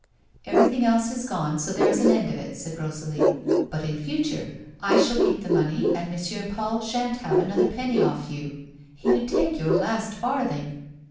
" Everything else is gone, so there's an end of it," said Rosalie. " But, in future, I shall keep the money, and M. Paul sha'nt have another penny off you. He'd take your last farthing."